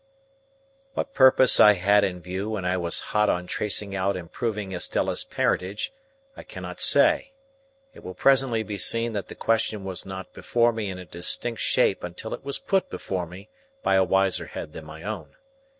What purpose I had in view when I was hot on tracing out and proving Estella's parentage, I cannot say. It will presently be seen that the question was not before me in a distinct shape until it was put before me by a wiser head than my own.